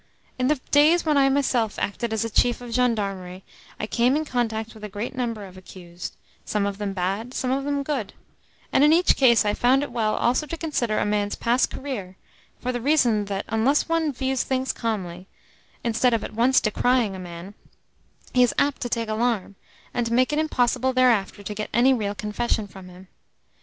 In the days when I myself acted as a chief of gendarmery I came in contact with a great number of accused some of them bad, some of them good; and in each case I found it well also to consider a man's past career, for the reason that, unless one views things calmly, instead of at once decrying a man, he is apt to take alarm, and to make it impossible thereafter to get any real confession from him.